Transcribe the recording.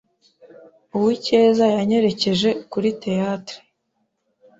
Uwicyeza yanyerekeje kuri theatre.